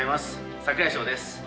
櫻井翔です。